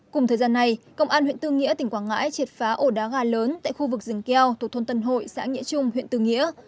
cùng thời gian này công an huyện tư nghĩa tỉnh quảng ngãi triệt phá ổ đá gà lớn tại khu vực rừng keo thuộc thôn tân hội xã nghĩa trung huyện tư nghĩa